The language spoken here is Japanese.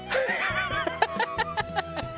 ハハハハ！